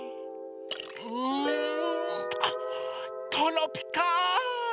うんあっトロピカール！